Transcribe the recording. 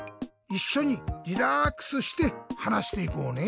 いっしょにリラーックスしてはなしていこうね。